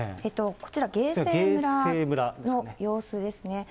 こちら芸西村の様子ですね。